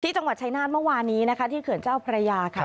จังหวัดชายนาฏเมื่อวานนี้นะคะที่เขื่อนเจ้าพระยาค่ะ